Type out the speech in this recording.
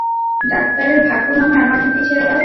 ডাক্তারের ভাগ্য নাহয় আমার হাতেই ছেড়ে দাও।